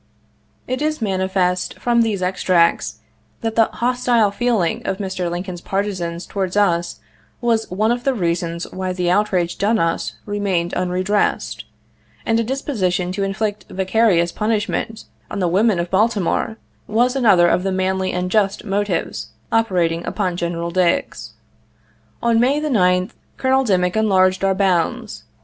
It is manifest, from these extracts, that the "hostile feeling" of Mr. Lincoln's partisans towards us was one of the reasons why the outrage done us remained unredressed ; and a disposition to inflict vicarious punishment on the women of Baltimore was another of the manly and just motives operating upon General Dix. On May the 9th, Colonel Dimick enlarged our bounds.